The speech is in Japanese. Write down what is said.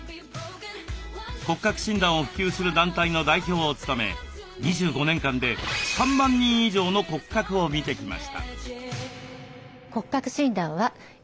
骨格診断を普及する団体の代表を務め２５年間で３万人以上の骨格を見てきました。